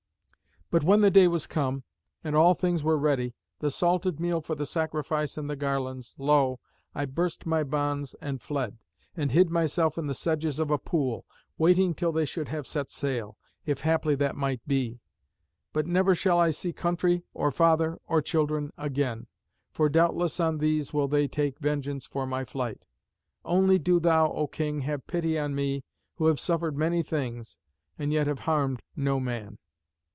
But when the day was come, and all things were ready, the salted meal for the sacrifice and the garlands, lo! I burst my bonds and fled, and hid myself in the sedges of a pool, waiting till they should have set sail, if haply that might be. But never shall I see country, or father, or children again. For doubtless on these will they take vengeance for my flight. Only do thou, O king, have pity on me, who have suffered many things, and yet have harmed no man."